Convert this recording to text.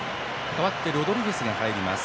代わってロドリゲスが入ります。